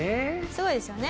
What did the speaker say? すごいですよね。